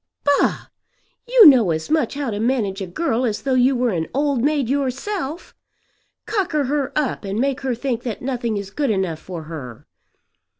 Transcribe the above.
"Bah! You know as much how to manage a girl as though you were an old maid yourself. Cocker her up and make her think that nothing is good enough for her!